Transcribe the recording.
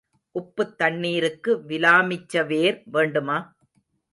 உப்புத் தண்ணீருக்கு விலாமிச்சவேர் வேண்டுமா?